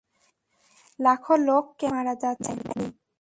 লাখো লোক ক্যান্সারে মারা যাচ্ছে, ম্যানি!